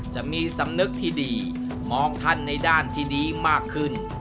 จะมีสำนึกที่ดีมองท่านในด้านที่ดีมากขึ้น